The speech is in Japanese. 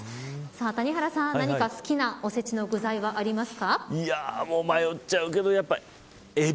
谷原さん、何か好きなおせちの具はありますか。